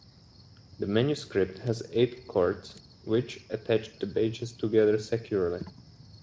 The manuscript has eight cords which attach the pages together securely.